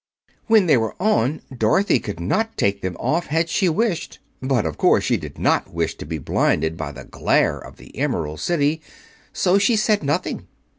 When they were on, Dorothy could not take them off had she wished, but of course she did not wish to be blinded by the glare of the Emerald City, so she said nothing.